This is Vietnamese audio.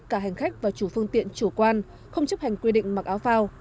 cả hành khách và chủ phương tiện chủ quan không chấp hành quy định mặc áo phao